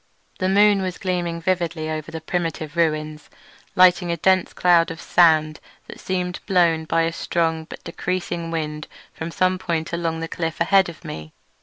The moon was gleaming vividly over the primeval ruins, lighting a dense cloud of sand that seemed blown by a strong but decreasing wind from some point along the cliff ahead of me.